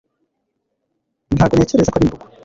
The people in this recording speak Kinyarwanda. Ntabwo ntekereza ko ari murugo